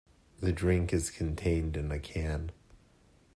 The drink is contained in a can.